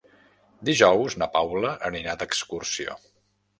Dijous na Paula anirà d'excursió.